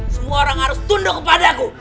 semua orang harus tunduk kepada aku